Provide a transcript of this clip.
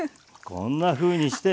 こんなふうにして。